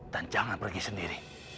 dan jangan pergi sendiri